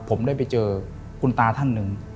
ผมได้ไปเจอคุณตาท่านหนึ่ง